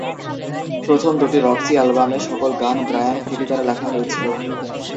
প্রথম দুটি রক্সি অ্যালবামে, সকল গান ব্রায়ান ফেরি দ্বারা লেখা হয়েছিল।